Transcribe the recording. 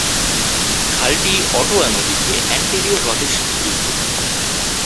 খালটি Ottawa নদীকে Ontario হ্রদের সাথে যুক্ত করে।